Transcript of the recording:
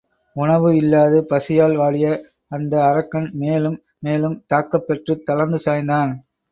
உணவு இல்லாது பசியால் வாடிய அந்த அரக்கன் மேலும் மேலும் தாக்கப் பெற்றுத் தளர்ந்து சாய்ந்தான்.